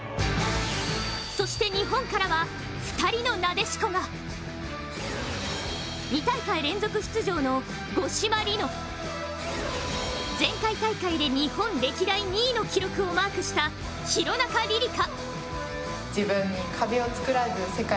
そして日本からは２人のなでしこが２大会連続出場の五島莉乃、前回大会で日本歴代２位の記録をマークした廣中璃梨佳。